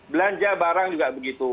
belanja barang juga begitu